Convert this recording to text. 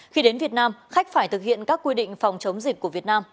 khi đến việt nam khách phải thực hiện các quy định phòng chống dịch của việt nam